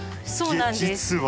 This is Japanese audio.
そうなんです。